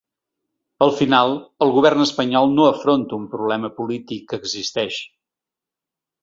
Al final, el govern espanyol no afronta un problema polític que existeix.